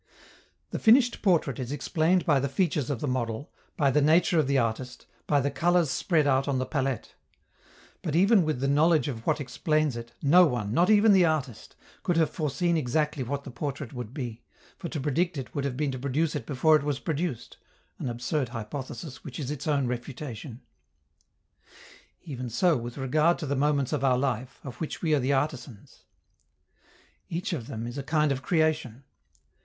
The finished portrait is explained by the features of the model, by the nature of the artist, by the colors spread out on the palette; but, even with the knowledge of what explains it, no one, not even the artist, could have foreseen exactly what the portrait would be, for to predict it would have been to produce it before it was produced an absurd hypothesis which is its own refutation. Even so with regard to the moments of our life, of which we are the artisans. Each of them is a kind of creation.